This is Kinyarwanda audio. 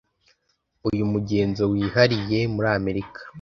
Uyu mugenzo wihariye muri Amerika.